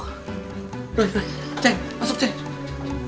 cek masuk cek